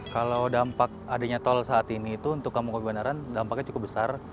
kalau dampak adanya tol saat ini itu untuk kampung kopi banaran dampaknya cukup besar